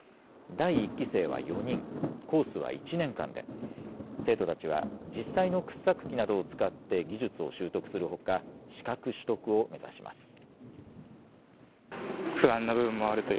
第１期生は４人、コースは１年間で、生徒たちは実際の掘削機などを使って技術を習得するほか、資格取得を目指します。